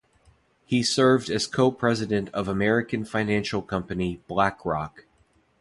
He served as co-president of American financial company BlackRock.